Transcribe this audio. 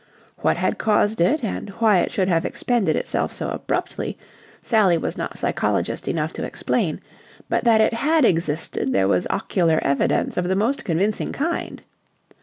What had caused it and why it should have expended itself so abruptly, Sally was not psychologist enough to explain; but that it had existed there was ocular evidence of the most convincing kind.